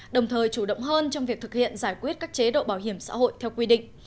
đồng thời chủ động hơn trong việc thực hiện giải quyết các chế độ bảo hiểm xã hội theo quy định